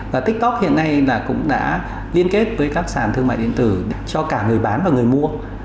và tiktok hiện nay cũng đã liên kết với các sàn thương mại điện tử cho cả người bán và người mua